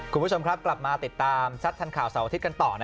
คุณผู้ชมครับกลับมาติดตามชัดทันข่าวเสาร์อาทิตย์กันต่อ